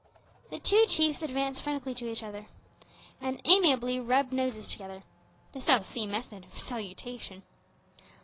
The two chiefs advanced frankly to each other, and amiably rubbed noses together the South Sea method of salutation!